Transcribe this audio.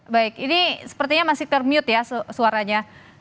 baik ini sepertinya masih termute ya suaranya